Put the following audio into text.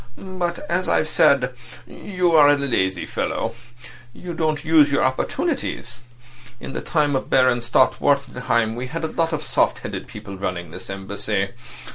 "But, as I've said, you are a lazy fellow; you don't use your opportunities. In the time of Baron Stott Wartenheim we had a lot of soft headed people running this Embassy.